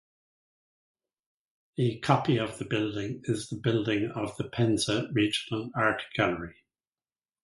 A copy of the building is the building of the Penza Regional Art Gallery.